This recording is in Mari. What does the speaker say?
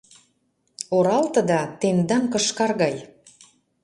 Оралтыда — тендан кышкар гай.